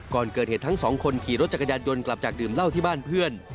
ก่อนเกิดเหตุทั้งสองคนขี่รถจักรยานยนต์กลับจากดื่มเหล้าที่บ้านเพื่อน